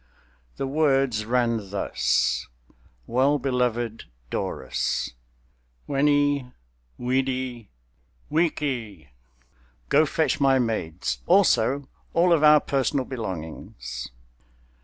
The words ran thus: "Well beloved 'Dorus: Veni, vidi, vici! Go fetch my maids; also, all of our personal belongings."